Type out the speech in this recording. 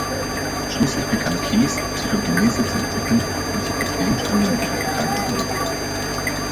Schließlich begann Kes, Psychokinese zu entwickeln, und sie konnte Gegenstände mit ihren Gedanken bewegen.